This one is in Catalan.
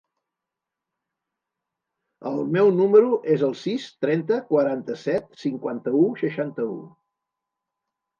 El meu número es el sis, trenta, quaranta-set, cinquanta-u, seixanta-u.